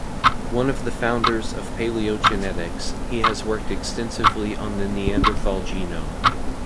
One of the founders of paleogenetics, he has worked extensively on the Neanderthal genome.